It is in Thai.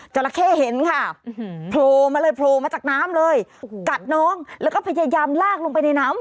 จราเข้เห็นค่ะโผล่มาเลยโผล่มาจากน้ำเลยกัดน้องแล้วก็พยายามลากลงไปในน้ำ